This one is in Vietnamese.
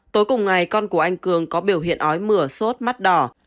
tối cùng ngày con của anh cường có biểu hiện ói mửa sốt mắt đỏ